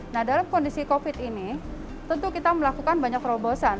nah dalam kondisi covid ini tentu kita melakukan banyak terobosan